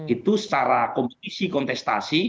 itu secara kompetisi kontestasi